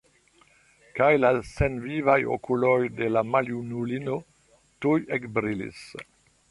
Kaj la senvivaj okuloj de l' maljunulino tuj ekbrilis.